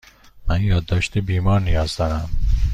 من یادداشت بیمار نیاز دارم.